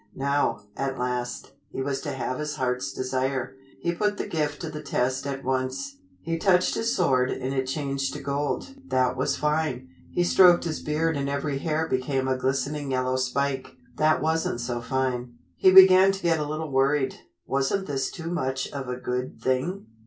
Now, at last, he was to have his heart's desire. He put the gift to the test at once. He touched his sword and it changed to gold. That was fine. He stroked his beard and every hair became a glistening yellow spike. That wasn't so fine. He began to get a little worried. Wasn't this too much of a good thing?